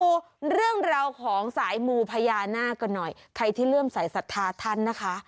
ดูเรื่องราวของสายมูพญานาคกันหน่อยใครที่เริ่มสายศรัทธาท่านนะคะ